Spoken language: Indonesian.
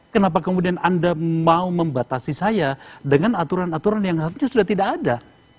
kenapa kemudian anda mau membatasi saya dengan aturan aturan yang seharusnya sudah tidak ada